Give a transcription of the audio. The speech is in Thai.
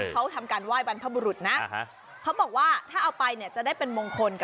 จากเขาทำทิธีชิงเปรตค่ะ